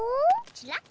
ちらっ。